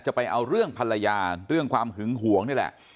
ไปเอาเรื่องภรรยาเรื่องความหึงหวงนี่แหละ